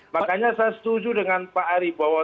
makanya saya setuju dengan pak arifin